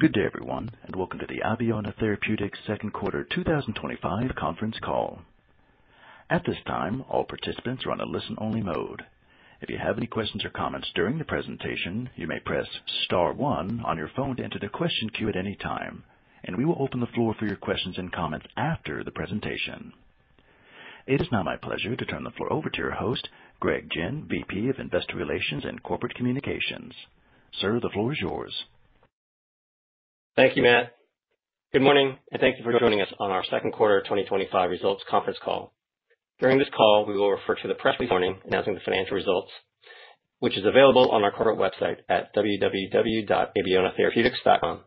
Good day, everyone, and welcome to the Abeona Therapeutics Second Quarter 2025 Conference Call. At this time, all participants are on a listen-only mode. If you have any questions or comments during the presentation, you may press star one on your phone to enter the question queue at any time, and we will open the floor for your questions and comments after the presentation. It is now my pleasure to turn the floor over to your host, Greg Gin, VP of Investor Relations and Corporate Communications. Sir, the floor is yours. Thank you, Matt. Good morning, and thank you for joining us on our Second Quarter 2025 Results Conference Call. During this call, we will refer to the press release announcing the financial results, which is available on our corporate website at www.abeonatherapeutics.com.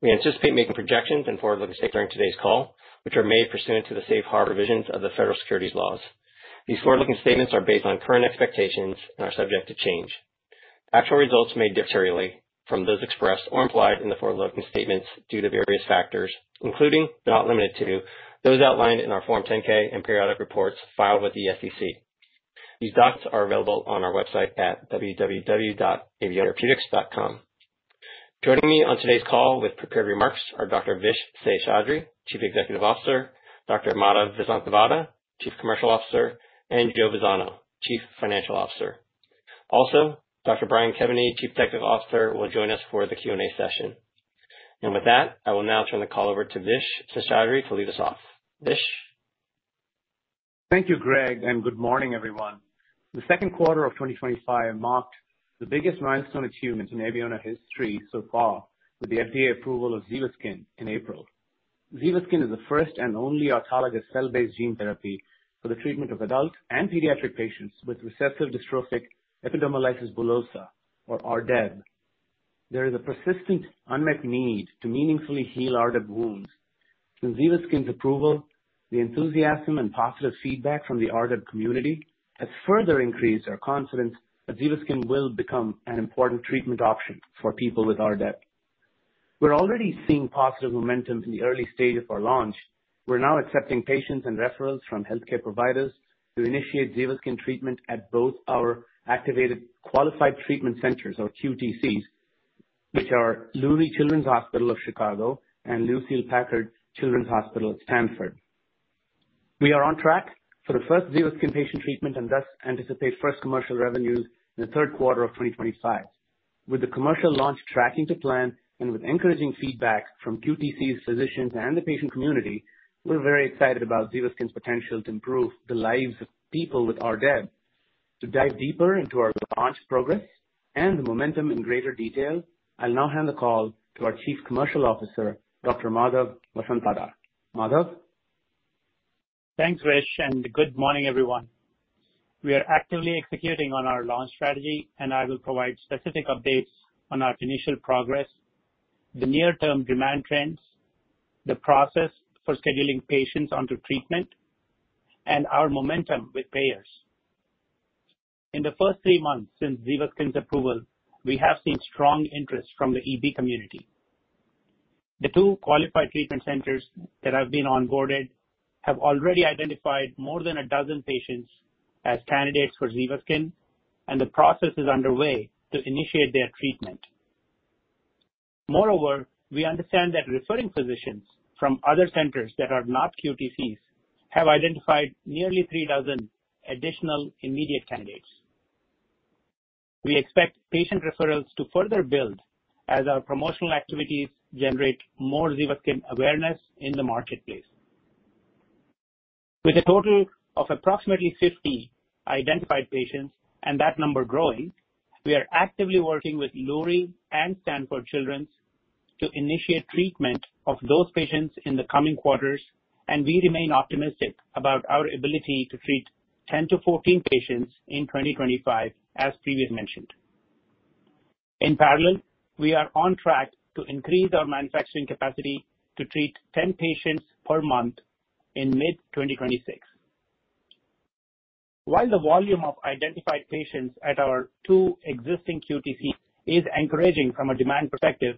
We anticipate making projections and forward-looking statements during today's call, which are made pursuant to the safe harbor provisions of the federal securities laws. These forward-looking statements are based on current expectations and are subject to change. Actual results may differ from those expressed or implied in the forward-looking statements due to various factors, including but not limited to those outlined in our Form 10-K and periodic reports filed with the SEC. These documents are available on our website at www.abeonatherapeutics.com. Joining me on today's call with prepared remarks are Dr. Vish Seshadri, Chief Executive Officer; Dr. Madhav Vasanthavada, Chief Commercial Officer; and Joe Vazzano, Chief Financial Officer. Also, Dr. Brian Kevany, Chief Technical Officer, will join us for the Q&A session. I will now turn the call over to Vish Seshadri to lead us off. Vish. Thank you, Greg, and good morning, everyone. The second quarter of 2025 marked the biggest milestone achievement in Abeona history so far, with the FDA approval of ZEVASKYN in April. ZEVASKYN is the first and only autologous cell-based gene therapy for the treatment of adult and pediatric patients with recessive dystrophic epidermolysis bullosa, or RDEB. There is a persistent unmet need to meaningfully heal RDEB wounds. Since ZEVASKYN's approval, the enthusiasm and positive feedback from the RDEB community has further increased our confidence that ZEVASKYN will become an important treatment option for people with RDEB. We're already seeing positive momentum in the early stage of our launch. We're now accepting patients and referrals from healthcare providers to initiate ZEVASKYN treatment at both our activated Qualified Treatment Centers, or QTCs, which are Lurie Children’s Hospital of Chicago and Lucile Packard Children’s Hospital at Stanford. We are on track for the first ZEVASKYN patient treatment and thus anticipate first commercial revenues in the third quarter of 2025. With the commercial launch tracking to plan and with encouraging feedback from QTCs, physicians, and the patient community, we're very excited about ZEVASKYN's potential to improve the lives of people with RDEB. To dive deeper into our launch progress and the momentum in greater detail, I'll now hand the call to our Chief Commercial Officer, Dr. Madhav Vasanthavada. Madhav. Thanks, Vish, and good morning, everyone. We are actively executing on our launch strategy, and I will provide specific updates on our initial progress, the near-term demand trends, the process for scheduling patients onto treatment, and our momentum with payers. In the first three months since ZEVASKYN's approval, we have seen strong interest from the EB community. The two Qualified Treatment Centers that have been onboarded have already identified more than a dozen patients as candidates for ZEVASKYN, and the process is underway to initiate their treatment. Moreover, we understand that referring physicians from other centers that are not QTCs have identified nearly three dozen additional immediate candidates. We expect patient referrals to further build as our promotional activities generate more ZEVASKYN awareness in the marketplace. With a total of approximately 50 identified patients and that number growing, we are actively working with Lurie and Stanford Children's to initiate treatment of those patients in the coming quarters, and we remain optimistic about our ability to treat 10-14 patients in 2025, as previously mentioned. In parallel, we are on track to increase our manufacturing capacity to treat 10 patients per month in mid-2026. While the volume of identified patients at our two existing QTCs is encouraging from a demand perspective,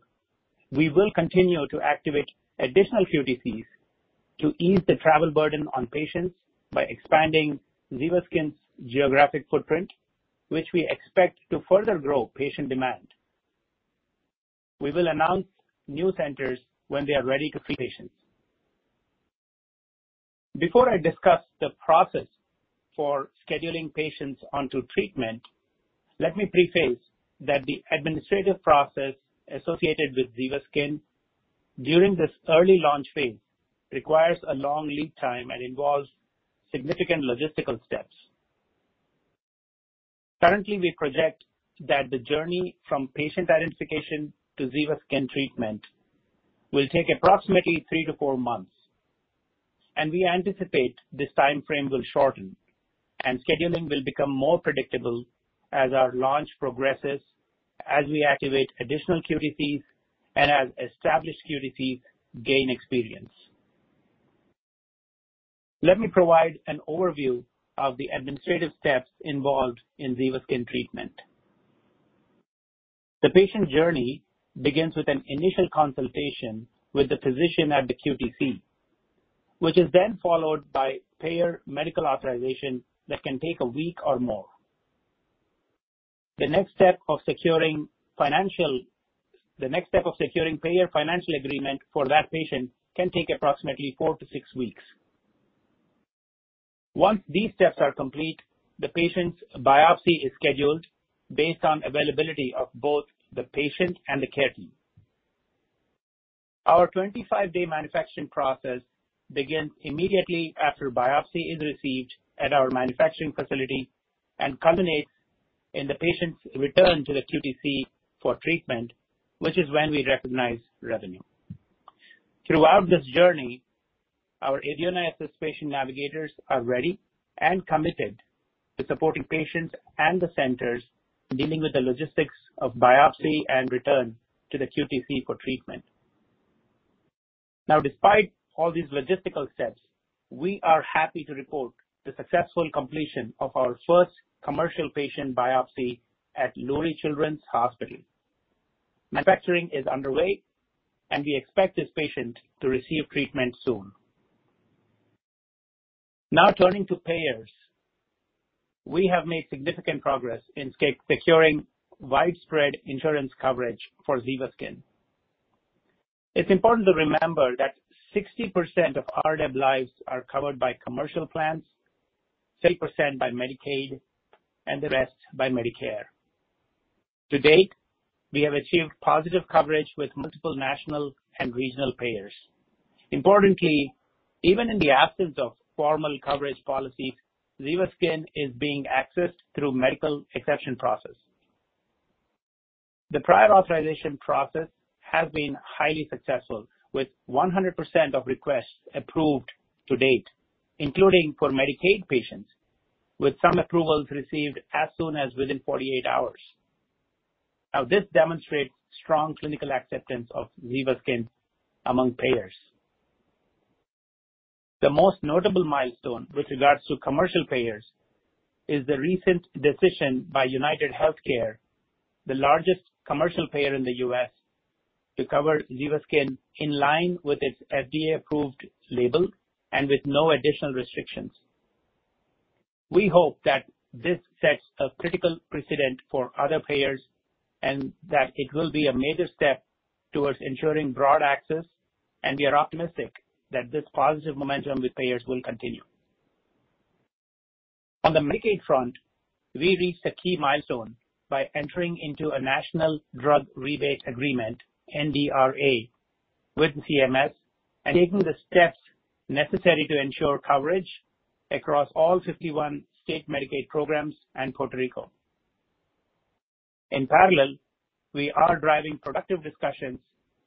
we will continue to activate additional QTCs to ease the travel burden on patients by expanding ZEVASKYN's geographic footprint, which we expect to further grow patient demand. We will announce new centers when they are ready to see patients. Before I discuss the process for scheduling patients onto treatment, let me preface that the administrative process associated with ZEVASKYN during this early launch phase requires a long lead time and involves significant logistical steps. Currently, we project that the journey from patient identification to ZEVASKYN treatment will take approximately three to four months, and we anticipate this timeframe will shorten and scheduling will become more predictable as our launch progresses, as we activate additional QTCs and as established QTCs gain experience. Let me provide an overview of the administrative steps involved in ZEVASKYN treatment. The patient journey begins with an initial consultation with the physician at the QTC, which is then followed by payer medical authorization that can take a week or more. The next step of securing payer financial agreement for that patient can take approximately four to six weeks. Once these steps are complete, the patient's biopsy is scheduled based on availability of both the patient and the care team. Our 25-day manufacturing process begins immediately after biopsy is received at our manufacturing facility and culminates in the patient's return to the QTC for treatment, which is when we recognize revenue. Throughout this journey, our Abeona Assist Patient Navigators are ready and committed to supporting patients and the centers dealing with the logistics of biopsy and return to the QTC for treatment. Despite all these logistical steps, we are happy to report the successful completion of our first commercial patient biopsy at Lurie Children’s Hospital. Manufacturing is underway, and we expect this patient to receive treatment soon. Now turning to payers, we have made significant progress in securing widespread insurance coverage for ZEVASKYN. It's important to remember that 60% of RDEB lives are covered by commercial plans, 30% by Medicaid, and the rest by Medicare. To date, we have achieved positive coverage with multiple national and regional payers. Importantly, even in the absence of formal coverage policies, ZEVASKYN is being accessed through the medical exception process. The prior authorization process has been highly successful, with 100% of requests approved to date, including for Medicaid patients, with some approvals received as soon as within 48 hours. This demonstrates strong clinical acceptance of ZEVASKYN among payers. The most notable milestone with regards to commercial payers is the recent decision by UnitedHealthcare, the largest commercial payer in the U.S., to cover ZEVASKYN in line with its FDA-approved label and with no additional restrictions. We hope that this sets a critical precedent for other payers and that it will be a major step towards ensuring broad access, and we are optimistic that this positive momentum with payers will continue. On the Medicaid front, we reached a key milestone by entering into a National Drug Rebate Agreement, NDRA, with CMS and taking the steps necessary to ensure coverage across all 51 state Medicaid programs and Puerto Rico. In parallel, we are driving productive discussions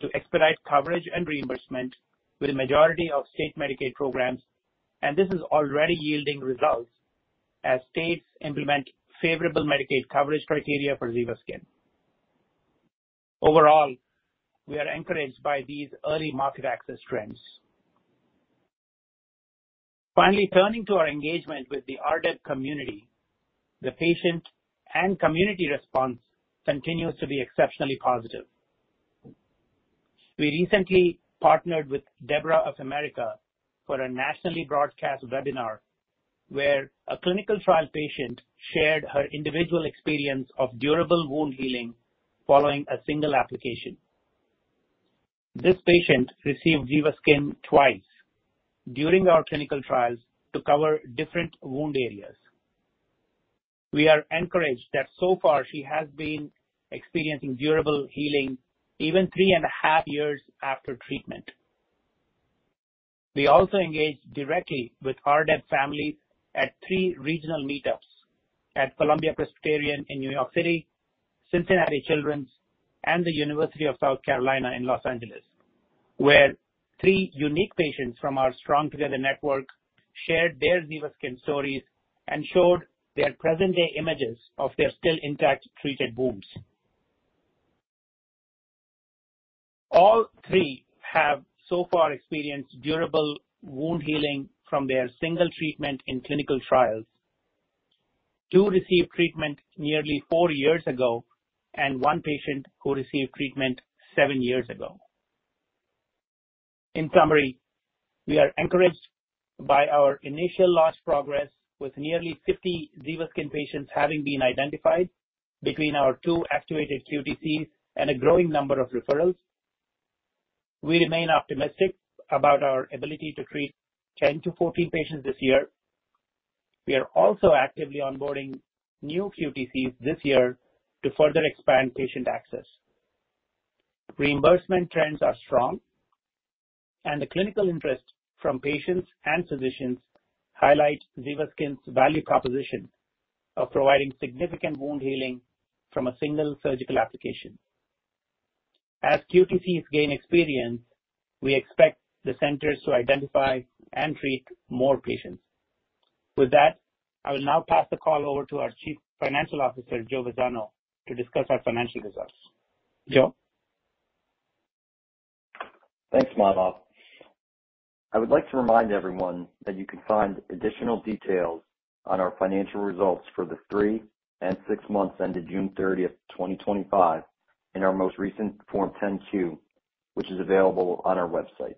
to expedite coverage and reimbursement with the majority of state Medicaid programs, and this is already yielding results as states implement favorable Medicaid coverage criteria for ZEVASKYN. Overall, we are encouraged by these early market access trends. Finally, turning to our engagement with the RDEB community, the patient and community response continues to be exceptionally positive. We recently partnered with debra of America for a nationally broadcast webinar where a clinical trial patient shared her individual experience of durable wound healing following a single application. This patient received ZEVASKYN twice during our clinical trials to cover different wound areas. We are encouraged that so far she has been experiencing durable healing even three and a half years after treatment. We also engaged directly with RDEB families at three regional meetups at Columbia Presbyterian in New York City, Cincinnati Children's, and the University of South Carolina in Los Angeles, where three unique patients from our Strong Together Network shared their ZEVASKYN stories and showed their present-day images of their still intact treated wounds. All three have so far experienced durable wound healing from their single treatment in clinical trials, two received treatment nearly four years ago, and one patient who received treatment seven years ago. In summary, we are encouraged by our initial launch progress, with nearly 50 ZEVASKYN patients having been identified between our two estimated QTCs and a growing number of referrals. We remain optimistic about our ability to treat 10-14 patients this year. We are also actively onboarding new QTCs this year to further expand patient access. Reimbursement trends are strong, and the clinical interest from patients and physicians highlights ZEVASKYN's value proposition of providing significant wound healing from a single surgical application. As QTCs gain experience, we expect the centers to identify and treat more patients. With that, I will now pass the call over to our Chief Financial Officer, Joe Vazzano, to discuss our financial results. Joe? Thanks, Madhav. I would like to remind everyone that you can find additional details on our financial results for the three and six months ended June 30th, 2025, in our most recent Form 10-Q, which is available on our website.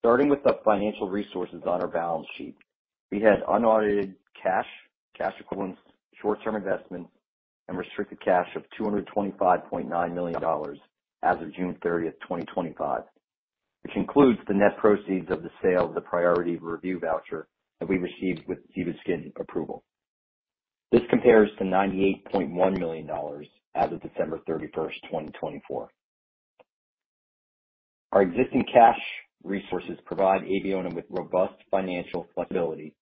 Starting with the financial resources on our balance sheet, we had unaudited cash, cash equivalents, short-term investment, and restricted cash of $225.9 million as of June 30th, 2025, which includes the net proceeds of the sale of the Priority Review Voucher that we received with ZEVASKYN approval. This compares to $98.1 million as of December 31st, 2024. Our existing cash resources provide Abeona with robust financial flexibility,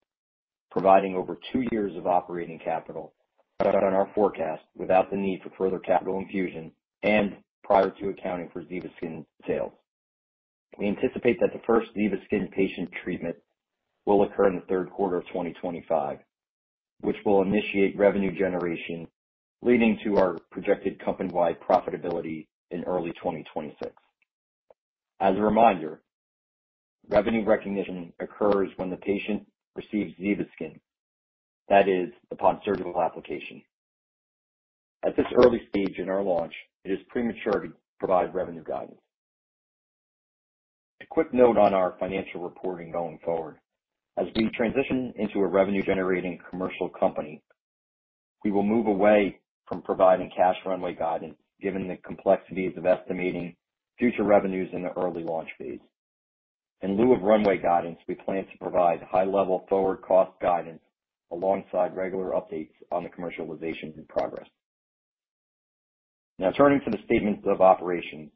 providing over two years of operating capital based on our forecast without the need for further capital infusion and prior to accounting for ZEVASKYN sales. We anticipate that the first ZEVASKYN patient treatment will occur in the third quarter of 2025, which will initiate revenue generation, leading to our projected company-wide profitability in early 2026. As a reminder, revenue recognition occurs when the patient receives ZEVASKYN, that is, upon surgical application. At this early stage in our launch, it is premature to provide revenue guidance. A quick note on our financial reporting going forward. As we transition into a revenue-generating commercial company, we will move away from providing cash runway guidance given the complexities of estimating future revenues in the early launch phase. In lieu of runway guidance, we plan to provide high-level forward cost guidance alongside regular updates on the commercialization in progress. Now, turning to the statements of operations,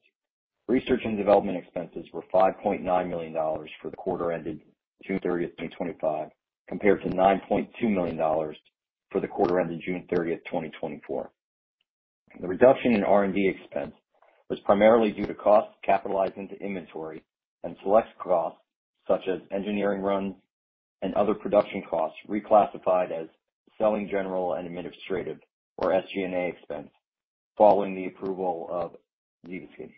research and development expenses were $5.9 million for the quarter ended June 30th, 2025, compared to $9.2 million for the quarter ended June 30th, 2024. The reduction in R&D expense was primarily due to costs capitalized into inventory and select costs, such as engineering runs and other production costs reclassified as selling, general and administrative, or SG&A expense, following the approval of ZEVASKYN.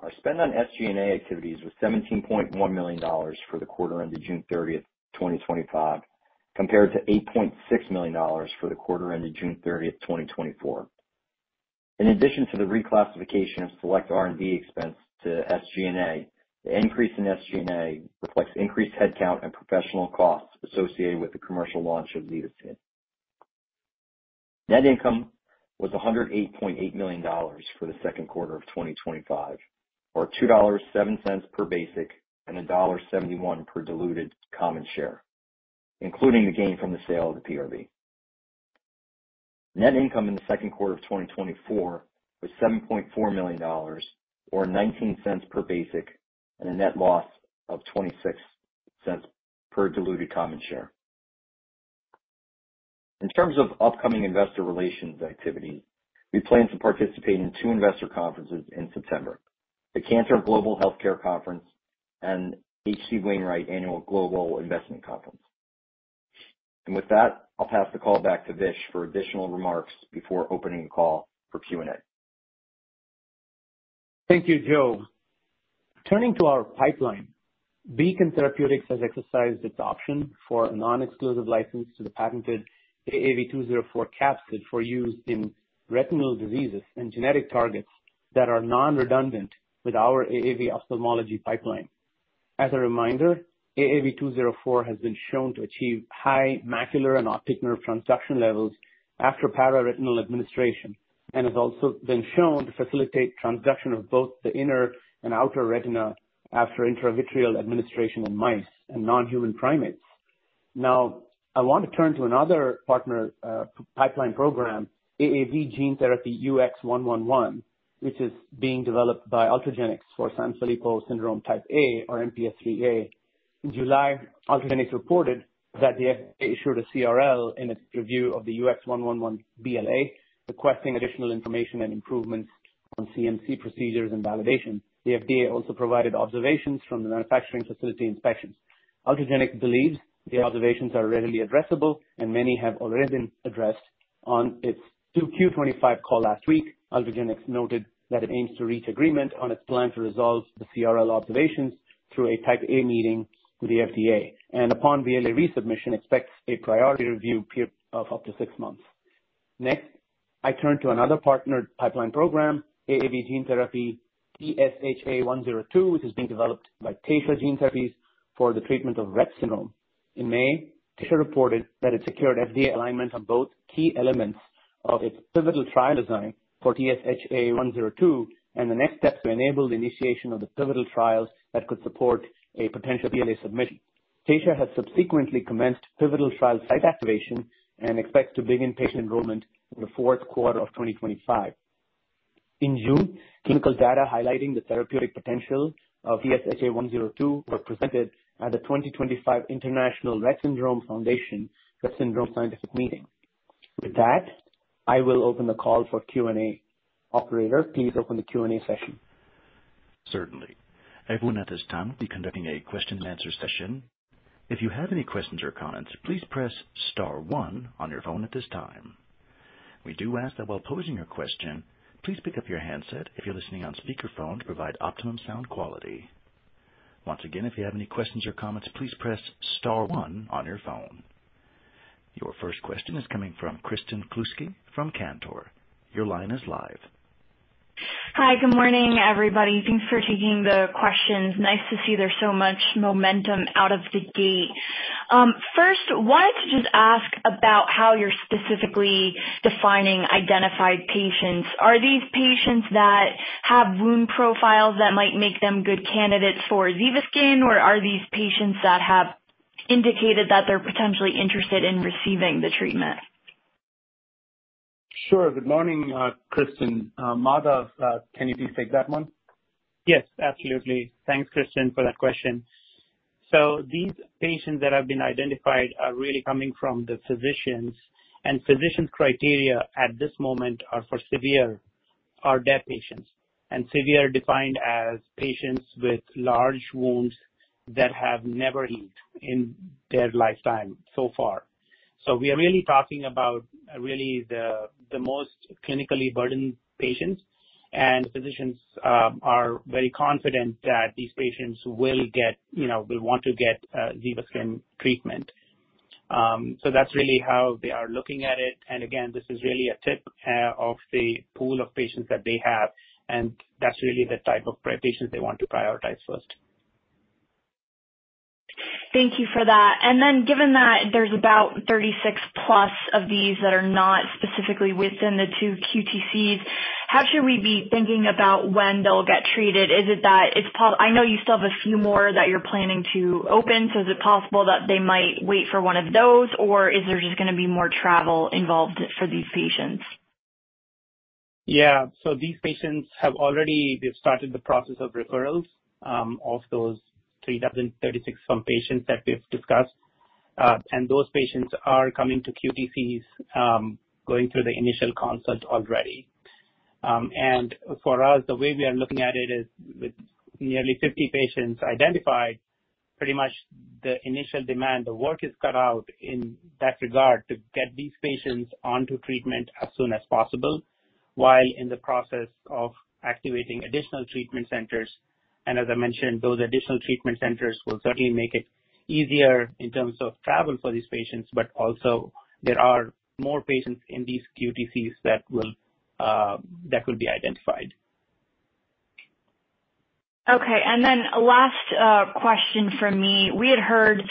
Our spend on SG&A activities was $17.1 million for the quarter ended June 30th, 2025, compared to $8.6 million for the quarter ended June 30th, 2024. In addition to the reclassification of select R&D expense to SG&A, the increase in SG&A reflects increased headcount and professional costs associated with the commercial launch of ZEVASKYN. Net income was $108.8 million for the second quarter of 2025, or $2.07 per basic and $1.71 per diluted common share, including the gain from the sale of the PRV. Net income in the second quarter of 2024 was $7.4 million, or $0.19 per basic, and a net loss of $0.26 per diluted common share. In terms of upcoming Investor Relations activity, we plan to participate in two investor conferences in September: the Cantor Global Healthcare Conference and the H.C. Wainwright Annual Global Investment Conference. With that, I'll pass the call back to Vish for additional remarks before opening the call for Q&A. Thank you, Joe. Turning to our pipeline, Beacon Therapeutics has exercised its option for a non-exclusive license to the patented AAV204 capsid for use in retinal diseases and genetic targets that are non-redundant with our AAV ophthalmology pipeline. As a reminder, AAV204 has been shown to achieve high macular and optic nerve transduction levels after pararetinal administration and has also been shown to facilitate transduction of both the inner and outer retina after intravitreal administration in mice and non-human primates. Now, I want to turn to another partner pipeline program, AAV gene therapy UX111, which is being developed by Ultragenyx for Sanfilippo Syndrome Type A, or MPS3A. In July, Ultragenyx reported that they issued a CRL in its review of the UX111 BLA, requesting additional information and improvements on CMC procedures and validation. The FDA also provided observations from the manufacturing facility inspections. Ultragenyx believes the observations are readily addressable, and many have already been addressed. On its Q2 2025 call last week, Ultragenyx noted that it aims to reach agreement on its plan to resolve the CRL observations through a Type A meeting with the FDA, and upon BLA resubmission, expects a priority review period of up to six months. Next, I turn to another partner pipeline program, AAV gene therapy TSHA-102, which is being developed by Taysha Gene Therapies for the treatment of Rett syndrome. In May, Taysha reported that it secured FDA alignment on both key elements of its pivotal trial design for TSHA-102 and the next steps to enable the initiation of the pivotal trials that could support a potential BLA submittal. Taysha has subsequently commenced pivotal trial site activation and expects to begin patient enrollment in the fourth quarter of 2025. In June, clinical data highlighting the therapeutic potential of TSHA-102 were presented at the 2025 International Rett Syndrome Foundation Rett Syndrome Scientific Meeting. With that, I will open the call for Q&A. Operator, please open the Q&A session. Certainly. Abeona at this time will be conducting a question and answer session. If you have any questions or comments, please press star one on your phone at this time. We do ask that while posing your question, please pick up your handset if you're listening on speakerphone to provide optimum sound quality. Once again, if you have any questions or comments, please press star one on your phone. Your first question is coming from Kristen Kluska from Cantor. Your line is live. Hi, good morning, everybody. Thanks for taking the questions. Nice to see there's so much momentum out of the gate. First, I wanted to just ask about how you're specifically defining identified patients. Are these patients that have wound profiles that might make them good candidates for ZEVASKYN, or are these patients that have indicated that they're potentially interested in receiving the treatment? Sure. Good morning, Kristen. Madhav, can you please take that one? Yes, absolutely. Thanks, Kristen, for that question. These patients that have been identified are really coming from the physicians, and physicians' criteria at this moment are for severe RDEB patients, with severe defined as patients with large wounds that have never healed in their lifetime so far. We are really talking about the most clinically burdened patients, and the physicians are very confident that these patients will want to get ZEVASKYN treatment. That's really how they are looking at it. This is really a tip of the pool of patients that they have, and that's really the type of patients they want to prioritize first. Thank you for that. Given that there's about 36+ of these that are not specifically within the two QTCs, how should we be thinking about when they'll get treated? Is it possible, I know you still have a few more that you're planning to open, so is it possible that they might wait for one of those, or is there just going to be more travel involved for these patients? Yeah. These patients have already started the process of referrals, of those 336 from patients that we've discussed. Those patients are coming to QTCs, going through the initial consult already. For us, the way we are looking at it is with nearly 50 patients identified, pretty much the initial demand, the work is cut out in that regard to get these patients onto treatment as soon as possible while in the process of activating additional treatment centers. As I mentioned, those additional treatment centers will certainly make it easier in terms of travel for these patients, but also there are more patients in these QTCs that will be identified. Okay. Last question from me. We had heard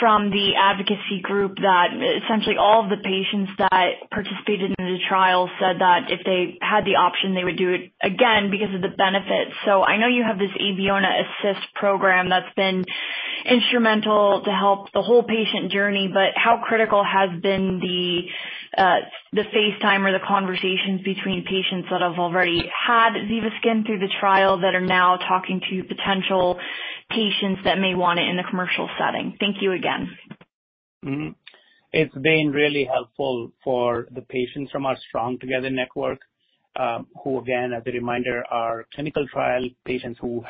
from the advocacy group that essentially all of the patients that participated in the trial said that if they had the option, they would do it again because of the benefits. I know you have this Abeona Assist program that's been instrumental to help the whole patient journey, but how critical has been the face time or the conversations between patients that have already had ZEVASKYN through the trial that are now talking to potential patients that may want it in the commercial setting? Thank you again. It's been really helpful for the patients from our Strong Together Network, who again, as a reminder, are clinical trial patients who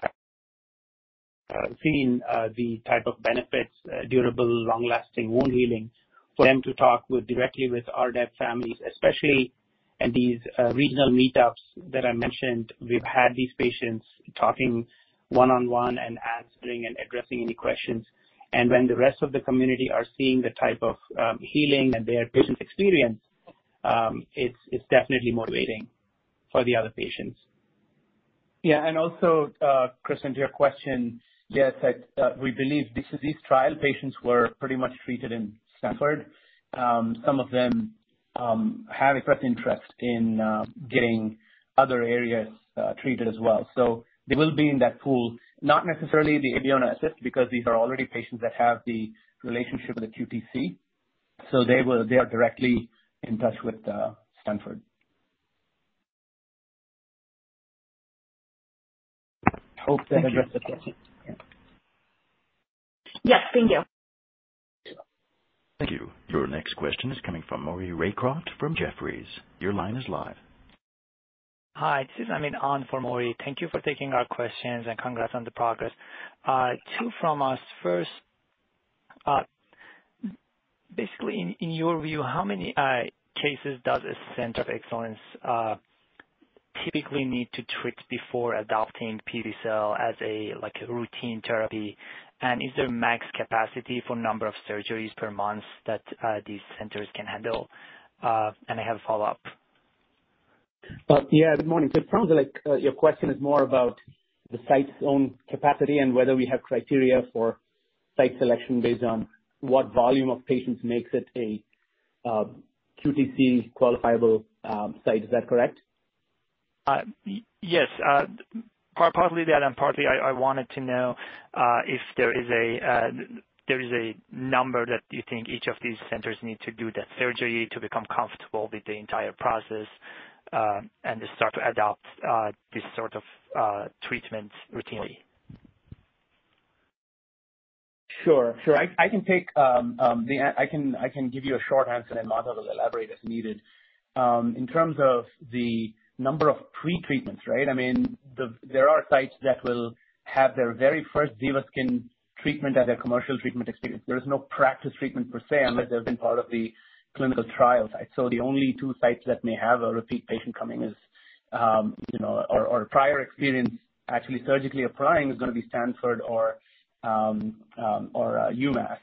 have seen the type of benefits, durable, long-lasting wound healing. For them to talk directly with RDEB families, especially in these regional meetups that I mentioned, we've had these patients talking one-on-one and answering and addressing any questions. When the rest of the community are seeing the type of healing and their patients' experience, it's definitely motivating for the other patients. Yeah. Also, Kristen, to your question, they had said, we believe these trial patients were pretty much treated in Stanford. Some of them have expressed interest in getting other areas treated as well. They will be in that pool, not necessarily the Abeona Assist because these are already patients that have the relationship with the QTC, so they are directly in touch with Stanford. Hope that addressed the question. Yes, thank you. Thank you. Your next question is coming from Maury Raycroft from Jefferies. Your line is live. Hi. This is Amin on for Mauri. Thank you for taking our questions, and congrats on the progress. Two from us. First, basically, in your view, how many cases does a center of excellence typically need to treat before adopting PV Cell as a, like, a routine therapy? Is there a max capacity for the number of surgeries per month that these centers can handle? I have a follow-up. Good morning. It sounds like your question is more about the site's own capacity and whether we have criteria for site selection based on what volume of patients makes it a QTC qualifiable site. Is that correct? Yes, partly that and partly I wanted to know if there is a number that you think each of these centers need to do that surgery to become comfortable with the entire process and to start to adopt this sort of treatment routinely. Sure. I can give you a short answer, and Madhav will elaborate as needed. In terms of the number of pretreatments, right? I mean, there are sites that will have their very first ZEVASKYN treatment at their commercial treatment experience. There is no practice treatment per se unless they've been part of the clinical trial site. The only two sites that may have a repeat patient coming is, you know, or a prior experience actually surgically applying is going to be Stanford or UMass.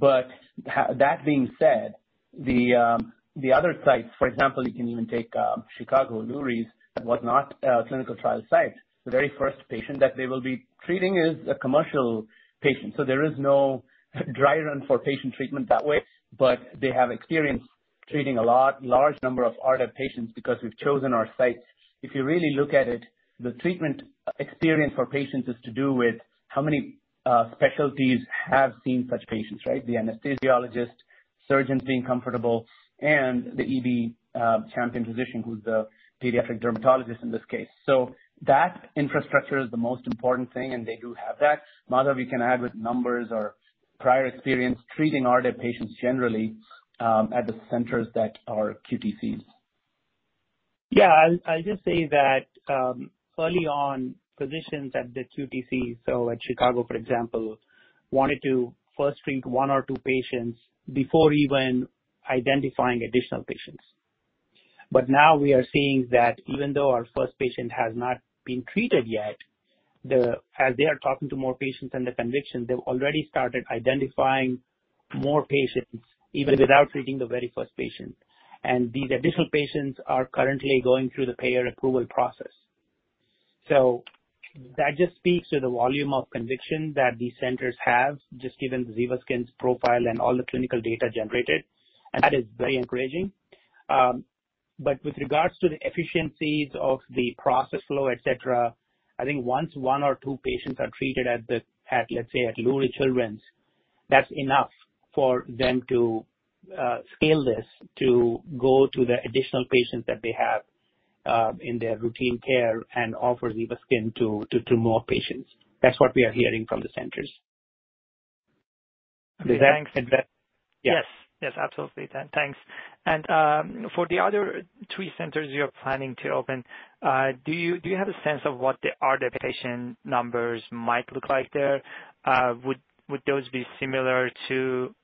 That being said, the other sites, for example, you can even take Chicago, Lurie’s, whatnot, clinical trial sites, the very first patient that they will be treating is a commercial patient. There is no dry run for patient treatment that way, but they have experience treating a large number of RDEB patients because we've chosen our sites. If you really look at it, the treatment experience for patients is to do with how many specialties have seen such patients, right? The anesthesiologist, surgeons being comfortable, and the EB champion physician who's the pediatric dermatologist in this case. That infrastructure is the most important thing, and they do have that. Madhav, you can add with numbers or prior experience treating RDEB patients generally, at the centers that are QTCs. Yeah. I'll just say that, early on, physicians at the QTC, so at Chicago, for example, wanted to first treat one or two patients before even identifying additional patients. Now we are seeing that even though our first patient has not been treated yet, as they are talking to more patients and the conviction, they've already started identifying more patients even without treating the very first patient. These additional patients are currently going through the payer approval process. That just speaks to the volume of conviction that these centers have, just given ZEVASKYN's profile and all the clinical data generated. That is very encouraging. With regards to the efficiencies of the process flow, etc., I think once one or two patients are treated at, let's say, at Lurie Children’s, that's enough for them to scale this to go to the additional patients that they have in their routine care and offer ZEVASKYN to more patients. That's what we are hearing from the centers. Does that answer? Yes. Yes, absolutely. Thanks. For the other three centers you're planning to open, do you have a sense of what the RDEB patient numbers might look like there? Would those be similar to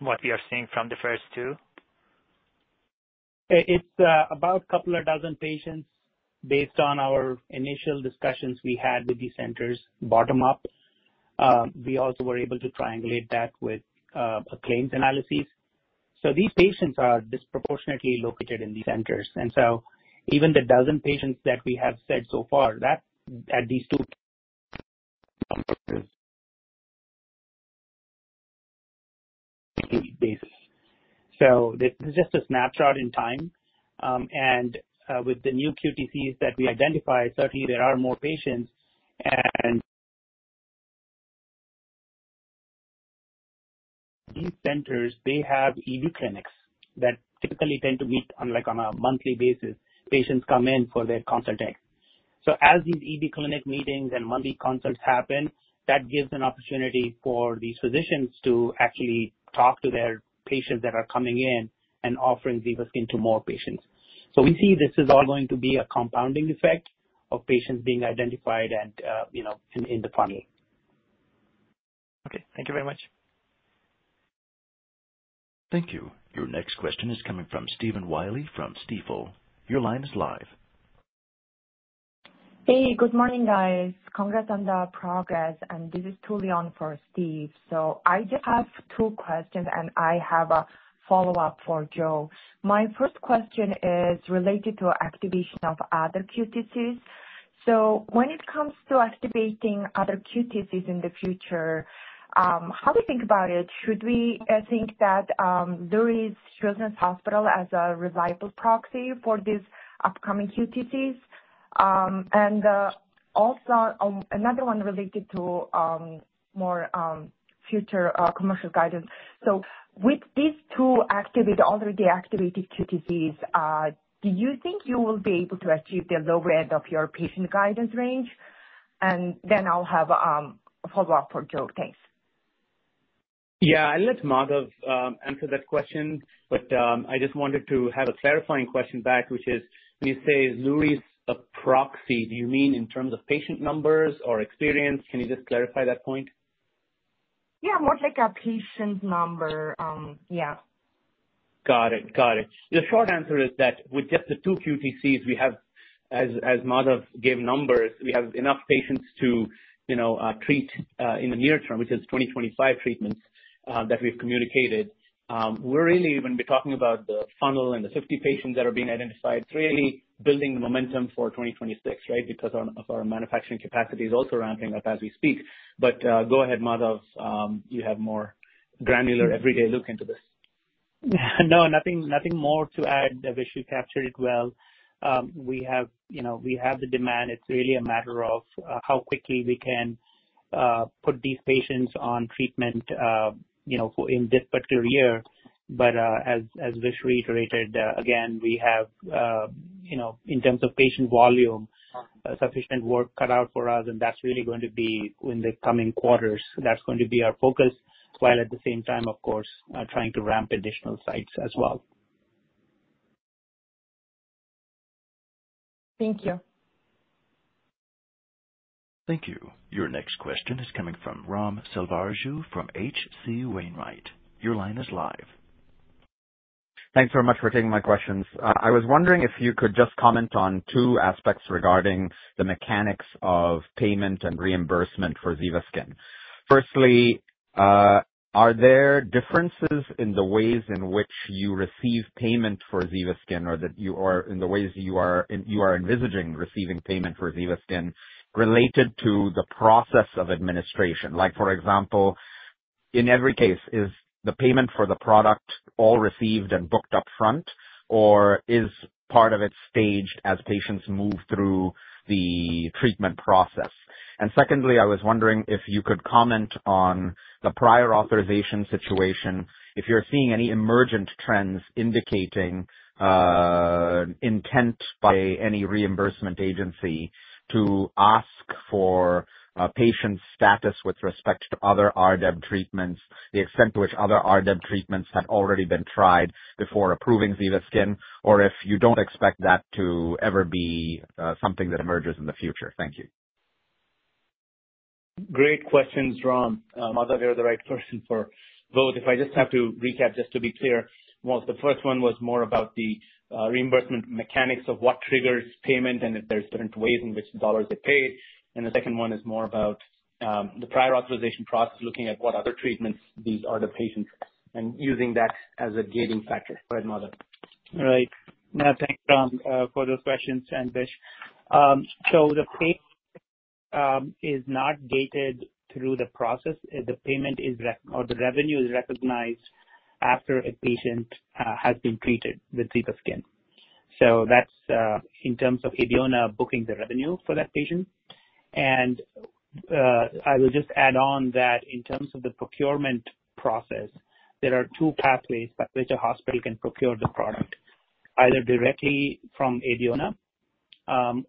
what we are seeing from the first two? It's about a couple of dozen patients based on our initial discussions we had with these centers, bottom-up. We also were able to triangulate that with a claims analysis. These patients are disproportionately located in these centers. Even the dozen patients that we have said so far are at these two bases. This is just a snapshot in time. With the new QTC's that we identify, certainly, there are more patients. These centers have EB clinics that typically tend to meet on a monthly basis. Patients come in for their consult. As these EB clinic meetings and monthly consults happen, that gives an opportunity for these physicians to actually talk to their patients that are coming in and offering ZEVASKYN to more patients. We see this is all going to be a compounding effect of patients being identified and, you know, in the funnel. Okay, thank you very much. Thank you. Your next question is coming from Stephen Willey from Stifel. Your line is live. Hey, good morning, guys. Congrats on the progress, and this is truly on for Steve. I just have two questions, and I have a follow-up for Joe. My first question is related to activation of other QTCs. When it comes to activating other QTCs in the future, how do you think about it? Should we think that Lurie Children’s Hospital as a reliable proxy for these upcoming QTCs? Also, another one related to more future commercial guidance. With these two already activated QTCs, do you think you will be able to achieve the lower end of your patient guidance range? I’ll have a follow-up for Joe. Thanks. Yeah, I'll let Madhav answer that question. I just wanted to have a clarifying question back, which is, when you say Lurie’s a proxy, do you mean in terms of patient numbers or experience? Can you just clarify that point? Yeah, more like a patient number. Yeah. Got it. The short answer is that with just the two QTCs, we have, as Madhav gave numbers, we have enough patients to treat in the near term, which is 2025 treatments that we've communicated. We're really even talking about the funnel and the 50 patients that are being identified. It's really building the momentum for 2026, right, because our manufacturing capacity is also ramping up as we speak. Go ahead, Madhav. You have a more granular everyday look into this. No, nothing more to add. I wish we captured it well. We have, you know, we have the demand. It's really a matter of how quickly we can put these patients on treatment, you know, for in this particular year. As Vish reiterated, again, we have, you know, in terms of patient volume, sufficient work cut out for us, and that's really going to be in the coming quarters. That's going to be our focus, while at the same time, of course, trying to ramp additional sites as well. Thank you. Thank you. Your next question is coming from Ram Selvaraju from H.C. Wainwright. Your line is live. Thanks very much for taking my questions. I was wondering if you could just comment on two aspects regarding the mechanics of payment and reimbursement for ZEVASKYN. Firstly, are there differences in the ways in which you receive payment for ZEVASKYN or that you are envisaging receiving payment for ZEVASKYN related to the process of administration? For example, in every case, is the payment for the product all received and booked upfront, or is part of it staged as patients move through the treatment process? Secondly, I was wondering if you could comment on the prior authorization situation, if you're seeing any emergent trends indicating intent by any reimbursement agency to ask for patients' status with respect to other RDEB treatments, the extent to which other RDEB treatments had already been tried before approving ZEVASKYN, or if you don't expect that to ever be something that emerges in the future. Thank you. Great questions, Ram. Madhav, you're the right person for both. If I just have to recap, just to be clear, the first one was more about the reimbursement mechanics of what triggers payment and if there's different ways in which the dollars get paid. The second one is more about the prior authorization process, looking at what other treatments these RDEB patients and using that as a gating factor. Go ahead, Madhav. Right. No, thanks, Ram, for those questions and Vish. The payment is not gated through the process. The payment is, or the revenue is, recognized after a patient has been treated with ZEVASKYN. That's in terms of Abeona booking the revenue for that patient. I will just add on that in terms of the procurement process, there are two pathways by which a hospital can procure the product, either directly from Abeona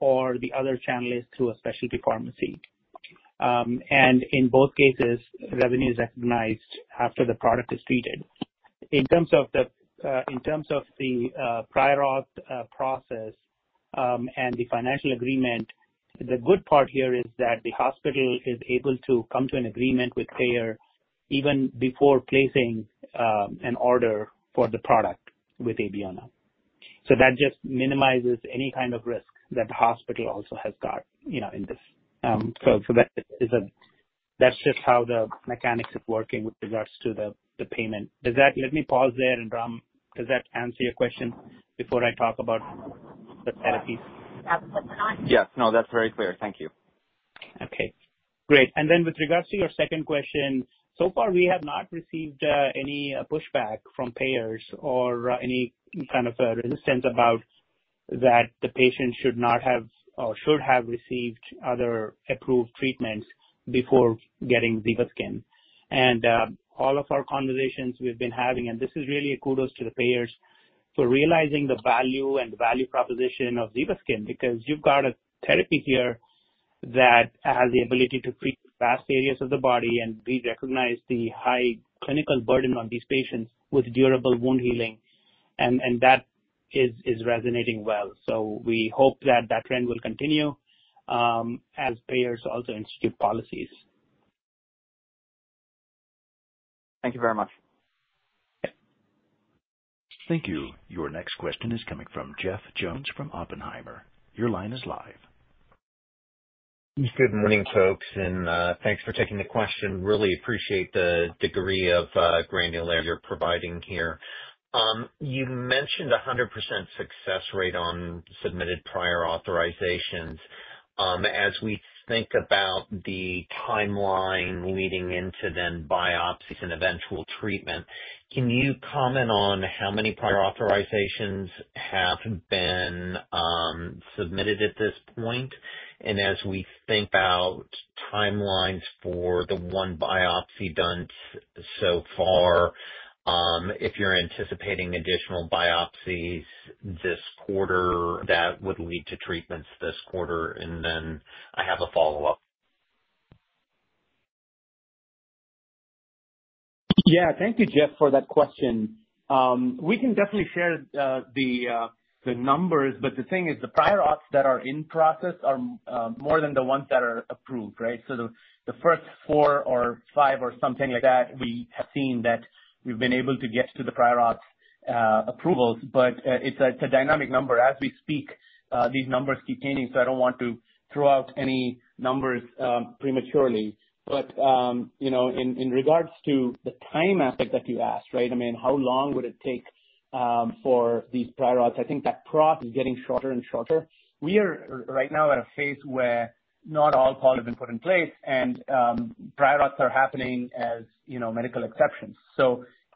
or the other channel is through a specialty pharmacy. In both cases, revenue is recognized after the product is treated. In terms of the prior auth process and the financial agreement, the good part here is that the hospital is able to come to an agreement with the payer even before placing an order for the product with Abeona. That just minimizes any kind of risk that the hospital also has got in this. That is just how the mechanics of working with regards to the payment. Does that, let me pause there and Ram, does that answer your question before I talk about the therapies? Yes, no, that's very clear. Thank you. Okay. Great. With regards to your second question, so far we have not received any pushback from payers or any kind of resistance about that the patient should not have or should have received other approved treatments before getting ZEVASKYN. In all of our conversations we've been having, this is really a kudos to the payers for realizing the value and the value proposition of ZEVASKYN because you've got a therapy here that has the ability to treat vast areas of the body and we recognize the high clinical burden on these patients with durable wound healing. That is resonating well. We hope that trend will continue as payers also institute policies. Thank you very much. Thank you. Your next question is coming from Jeff Jones from Oppenheimer. Your line is live. Good morning, folks, and thanks for taking the question. Really appreciate the degree of granularity you're providing here. You mentioned a 100% success rate on submitted prior authorizations. As we think about the timeline leading into then biopsies and eventual treatment, can you comment on how many prior authorizations have been submitted at this point? As we think about timelines for the one biopsy done so far, if you're anticipating additional biopsies this quarter that would lead to treatments this quarter, I have a follow-up. Thank you, Jeff, for that question. We can definitely share the numbers, but the thing is the prior auths that are in process are more than the ones that are approved, right? The first four or five or something like that, we have seen that we've been able to get to the prior auths, approvals, but it's a dynamic number. As we speak, these numbers keep changing, so I don't want to throw out any numbers prematurely. In regards to the time aspect that you asked, right? I mean, how long would it take for these prior auths? I think that process is getting shorter and shorter. We are right now at a phase where not all calls have been put in place, and prior auths are happening as medical exceptions.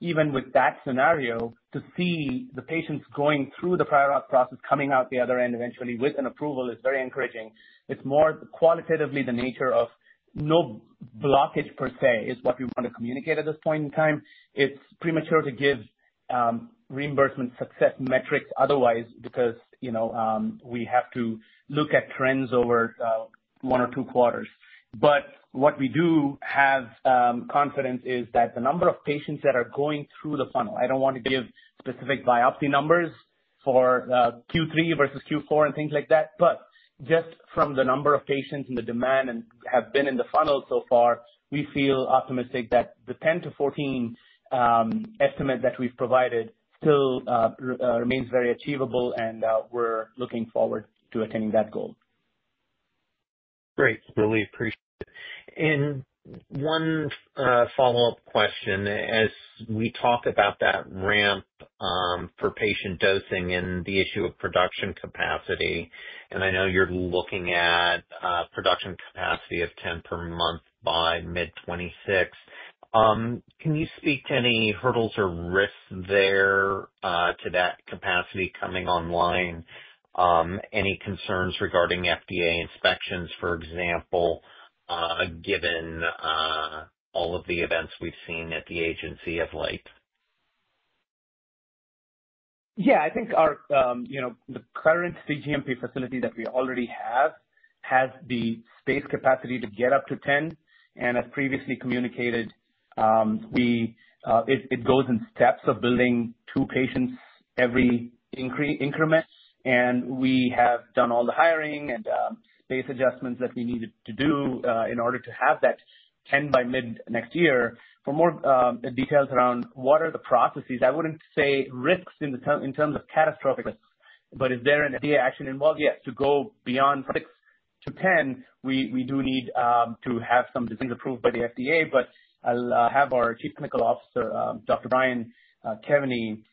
Even with that scenario, to see the patients going through the prior auth process coming out the other end eventually with an approval is very encouraging. It's more qualitatively the nature of no blockage per se is what we want to communicate at this point in time. It's premature to give reimbursement success metrics otherwise because we have to look at trends over one or two quarters. What we do have confidence in is that the number of patients that are going through the funnel, I don't want to give specific biopsy numbers for Q3 versus Q4 and things like that, but just from the number of patients and the demand and have been in the funnel so far, we feel optimistic that the 10-14 estimate that we've provided still remains very achievable, and we're looking forward to attaining that goal. Great. Really appreciate it. One follow-up question. As we talk about that ramp for patient dosing and the issue of production capacity, I know you're looking at production capacity of 10 per month by mid-2026. Can you speak to any hurdles or risks there to that capacity coming online? Any concerns regarding FDA inspections, for example, given all of the events we've seen at the agency of late? Yeah. I think our, you know, the current CGMP facility that we already have has the space capacity to get up to 10. As previously communicated, it goes in steps of building two patients every increment. We have done all the hiring and space adjustments that we needed to do in order to have that 10 by mid next year. For more details around what are the processes, I wouldn't say risks in terms of catastrophic, but is there an FDA action involved? Yes. To go beyond from 6 to 10, we do need to have some decisions approved by the FDA. I'll have our Chief Technical Officer, Dr. Brian Kevany,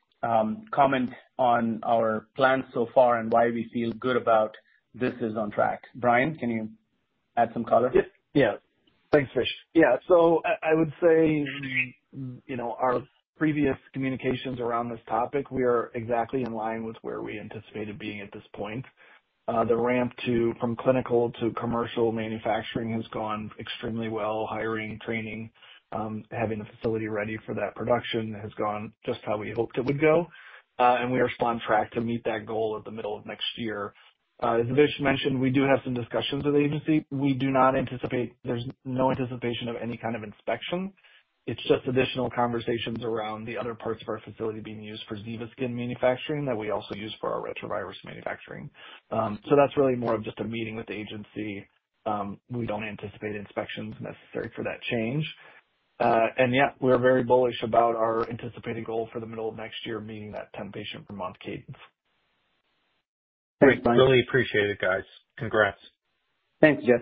comment on our plans so far and why we feel good about this is on track. Brian, can you add some color? Yes. Yeah. Thanks, Vish. I would say, you know, our previous communications around this topic, we are exactly in line with where we anticipated being at this point. The ramp from clinical to commercial manufacturing has gone extremely well. Hiring, training, having the facility ready for that production has gone just how we hoped it would go, and we are on track to meet that goal at the middle of next year. As Vish mentioned, we do have some discussions with the agency. We do not anticipate, there's no anticipation of any kind of inspection. It's just additional conversations around the other parts of our facility being used for ZEVASKYN manufacturing that we also use for our retrovirus manufacturing. That's really more of just a meeting with the agency. We don't anticipate inspections necessary for that change. Yeah, we are very bullish about our anticipated goal for the middle of next year being that 10 patient per month cadence. I really appreciate it, guys. Congrats. Thanks, Jeff.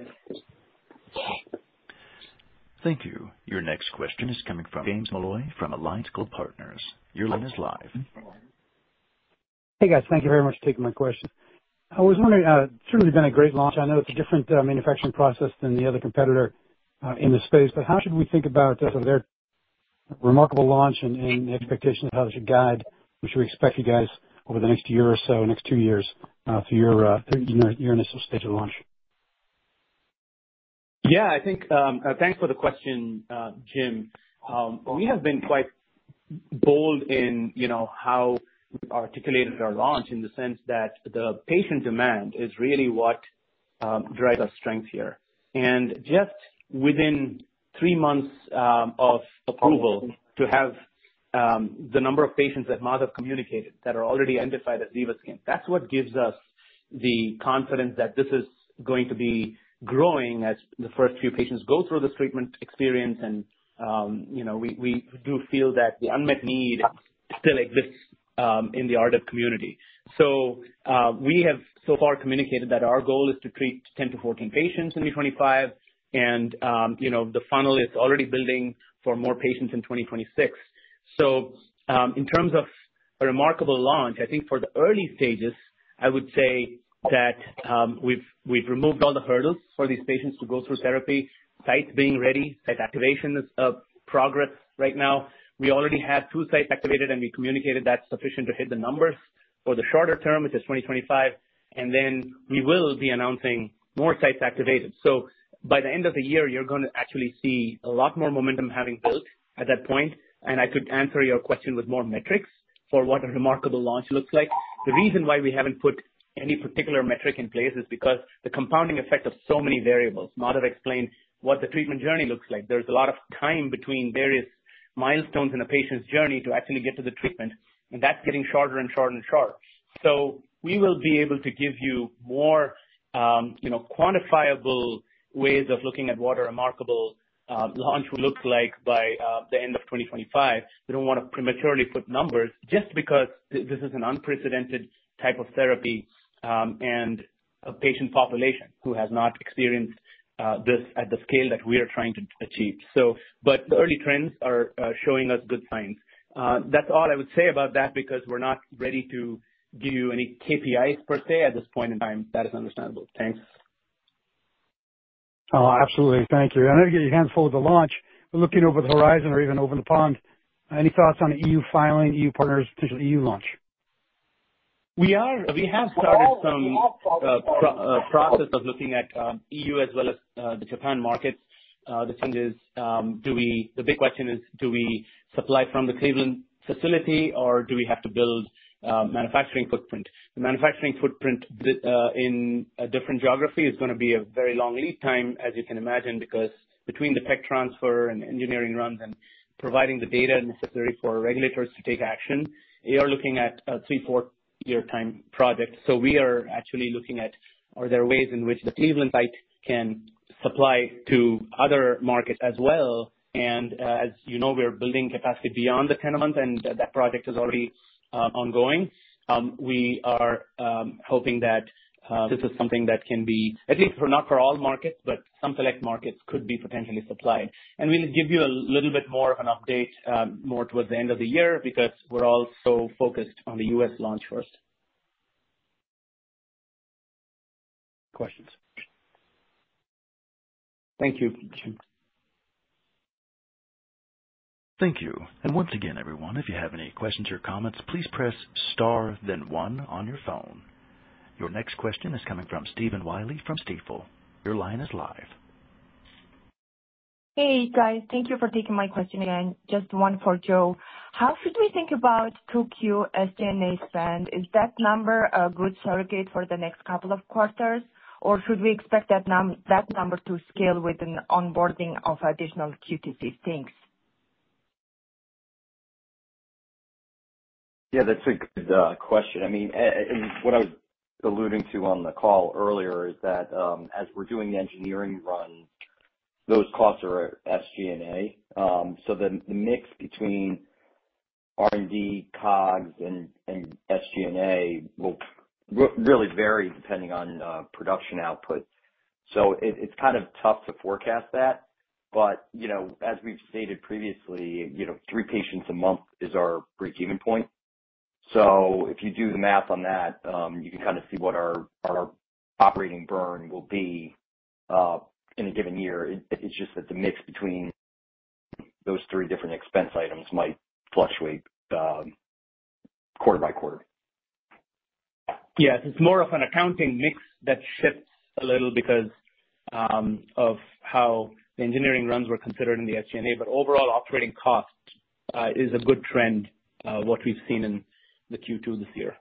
Thank you. Your next question is coming from James Molloy from Alliance Global Partners. Your line is live. Hey, guys. Thank you very much for taking my question. I was wondering, certainly been a great launch. I know it's a different manufacturing process than the other competitor in the space, but how should we think about their remarkable launch and expectations of how they should guide? What should we expect from you guys over the next year or so, next two years, for your initial stage of launch? Yeah. I think, thanks for the question, Jim. We have been quite bold in how we articulated our launch in the sense that the patient demand is really what drives our strength here. Just within three months of approval to have the number of patients that Madhav communicated that are already identified as ZEVASKYN, that's what gives us the confidence that this is going to be growing as the first few patients go through this treatment experience. We do feel that the unmet need still exists in the RDEB community. We have so far communicated that our goal is to treat 10-14 patients in 2025, and the funnel is already building for more patients in 2026. In terms of a remarkable launch, I think for the early stages, I would say that we've removed all the hurdles for these patients to go through therapy. Sites being ready, site activation is in progress right now. We already have two sites activated, and we communicated that's sufficient to hit the numbers for the shorter term, which is 2025. We will be announcing more sites activated. By the end of the year, you're going to actually see a lot more momentum having built at that point. I could answer your question with more metrics for what a remarkable launch looks like. The reason why we haven't put any particular metric in place is because of the compounding effect of so many variables. Madhav explained what the treatment journey looks like. There's a lot of time between various milestones in a patient's journey to actually get to the treatment, and that's getting shorter and shorter and shorter. We will be able to give you more quantifiable ways of looking at what a remarkable launch looks like by the end of 2025. We don't want to prematurely put numbers just because this is an unprecedented type of therapy, and a patient population who has not experienced this at the scale that we are trying to achieve. The early trends are showing us good signs. That's all I would say about that because we're not ready to give you any KPIs per se at this point in time. That is understandable. Thanks. Oh, absolutely. Thank you. I know you get your hands full with the launch. We're looking over the horizon or even over the pond. Any thoughts on the EU filing, EU partners, potential EU launch? We have started some process of looking at EU as well as the Japan markets. The thing is, the big question is, do we supply from the Cleveland facility, or do we have to build manufacturing footprint? The manufacturing footprint in a different geography is going to be a very long lead time, as you can imagine, because between the tech transfer and engineering runs and providing the data necessary for regulators to take action, we are looking at a three, four-year time project. We are actually looking at, are there ways in which the Cleveland site can supply to other markets as well? As you know, we're building capacity beyond the 10 months, and that project is already ongoing. We are hoping that this is something that can be, I think, not for all markets, but some select markets could be potentially supplied. We'll give you a little bit more of an update more towards the end of the year because we're also focused on the U.S. launch first. Thank you, Jim. Thank you. Once again, everyone, if you have any questions or comments, please press star then one on your phone. Your next question is coming from Stephen Willey from Stifel. Your line is live. Hey, guys. Thank you for taking my question again. Just one for Joe. How should we think about 2Q SG&A spend? Is that number a good surrogate for the next couple of quarters, or should we expect that number to scale with an onboarding of additional QTCs? Thanks. Yeah, that's a good question. I mean, what I was alluding to on the call earlier is that, as we're doing the engineering run, those costs are at SG&A. The mix between R&D, COGS, and SG&A will really vary depending on production output. It's kind of tough to forecast that. As we've stated previously, three patients a month is our break-even point. If you do the math on that, you can kind of see what our operating burn will be in a given year. It's just that the mix between those three different expense items might fluctuate quarter-by-quarter. Yes. It's more of an accounting mix that shifts a little because of how the engineering runs were considered in the SG&A. Overall, operating cost is a good trend, what we've seen in Q2 this year.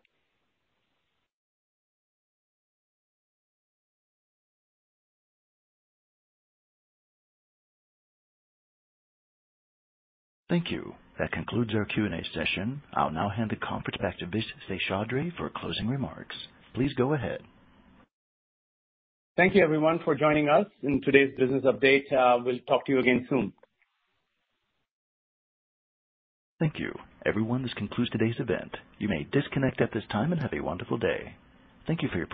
Thank you. That concludes our Q&A session. I'll now hand the conference back to Vish Seshadri for closing remarks. Please go ahead. Thank you, everyone, for joining us in today's business update. We'll talk to you again soon. Thank you. Everyone, this concludes today's event. You may disconnect at this time and have a wonderful day. Thank you for your time.